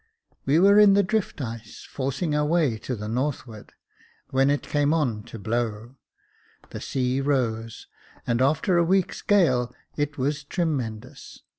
We were in the drift ice, forcing our way to the northward, when it came on to blow — the sea rose, and after a week's gale, it was tremendous.